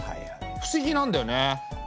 不思議なんだよね。